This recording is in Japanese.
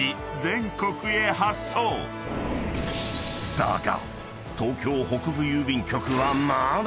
［だが］